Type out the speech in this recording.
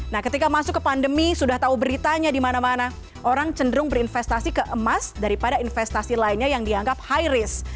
nah ketika masuk ke pandemi sudah tahu beritanya di mana mana orang cenderung berinvestasi ke emas daripada investasi lainnya yang dianggap high risk